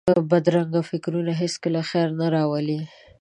بدرنګه فکرونه هېڅکله خیر نه راولي